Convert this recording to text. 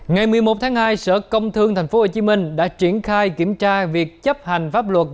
ngày một mươi một tháng hai sở công thương tp hcm đã triển khai kiểm tra việc chấp hành pháp luật